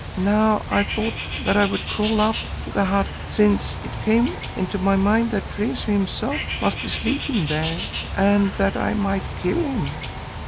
Now I thought that I would crawl up to the hut since it came into my mind that Rezu himself must be sleeping there and that I might kill him.